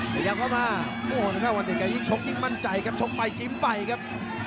ขยับเข้ามาโอ้โหวันเด็กก็ยิ่งชกยิ่งมั่นใจครับชกไปกินไปครับ